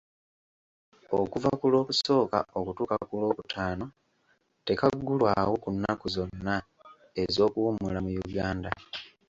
Okuva ku Lwokusooka okutuuka ku Lwokutaano, tekaggulwawo ku nnaku zonna ez'okuwummula mu Uganda.